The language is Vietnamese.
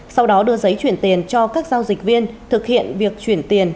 sau đó đưa giấy chuyển tiền cho các giao dịch viên thực hiện việc chuyển tiền